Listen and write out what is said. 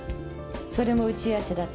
それも打ち合わせだと？